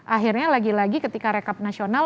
akhirnya lagi lagi ketika rekap nasional